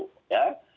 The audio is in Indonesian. terus yang kedua